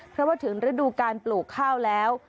เพราะว่าถึงฤดูการปลูกข้าวแล้ว